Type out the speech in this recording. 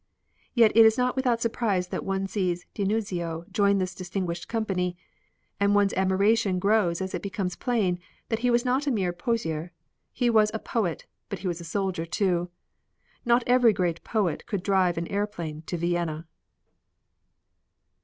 Yet it is not without surprise that one sees D'Annunzio join this distinguished company, and one's admiration grows as it becomes plain that he was not a mere poseur. He was a poet, but he was a soldier too. Not every great poet could drive an airplane to Vienna.